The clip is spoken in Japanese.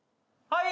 はい。